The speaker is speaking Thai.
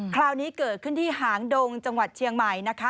คราวนี้เกิดขึ้นที่หางดงจังหวัดเชียงใหม่นะคะ